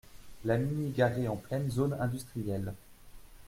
La Mini garée en pleine zone industrielle